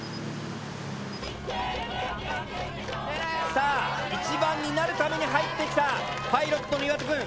さあ１番になるために入ってきたパイロットの岩田くん。